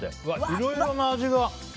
いろいろな味が。